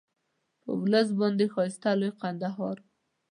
په ولس باندې ښایسته لوی کندهار وو.